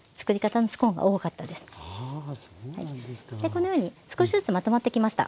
このように少しずつまとまってきました。